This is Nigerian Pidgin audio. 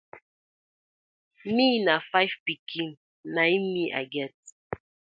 Mi na fiv pikin na it me I get.